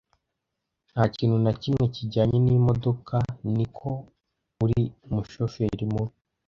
Nta kintu na kimwe kijyanye n'imodoka. Ni uko uri umushoferi mubi.